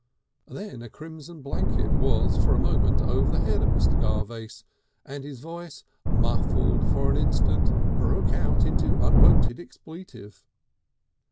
Then a crimson blanket was for a moment over the head of Mr. Garvace, and his voice, muffled for an instant, broke out into unwonted expletive.